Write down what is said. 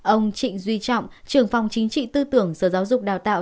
ông trịnh duy trọng trường phòng chính trị tư tưởng sở giáo dục đào tạo